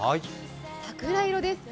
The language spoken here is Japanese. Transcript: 桜色です。